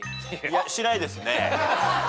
いやしないですね。